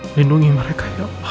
lindungi mereka ya allah